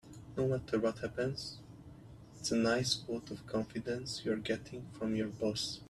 No matter what happens, it's a nice vote of confidence you're getting from your boss.